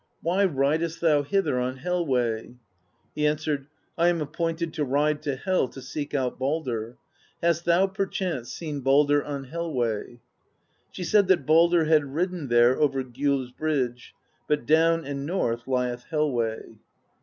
Why ridest thou hither on Hel way?' He answered: 'I am ap pointed to ride to Hel to seek out Baldr. Hast thou per chance seen Baldr on Hel way?' She said that Baldr had ridden there over Gjoll's Bridge, — 'but down and north lieth Hel way.'